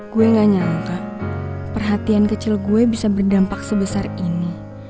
gue gak nyangka perhatian kecil gue bisa berdampak sebesar ini